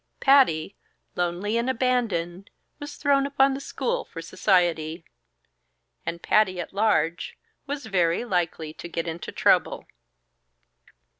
Patty, lonely and abandoned, was thrown upon the school for society; and Patty at large, was very likely to get into trouble.